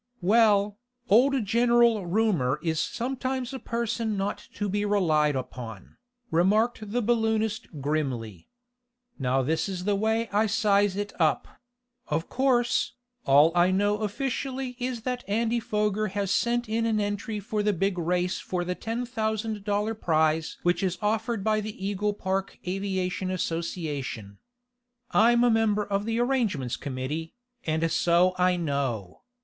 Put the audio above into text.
"Well, old General Rumor is sometimes a person not to be relied upon," remarked the balloonist grimly. "Now this is the way I size it up: Of course, all I know officially is that Andy Foger has sent in an entry for the big race for the ten thousand dollar prize which is offered by the Eagle Park Aviation Association. I'm a member of the arrangements committee, and so I know.